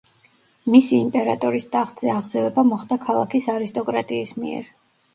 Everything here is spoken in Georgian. მისი იმპერატორის ტახტზე აღზევება მოხდა ქალაქის არისტოკრატიის მიერ.